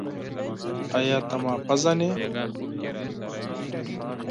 ایا ته ما پېژنې؟